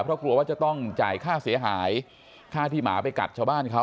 เพราะกลัวว่าจะต้องจ่ายค่าเสียหายค่าที่หมาไปกัดชาวบ้านเขา